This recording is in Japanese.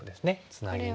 ツナギに。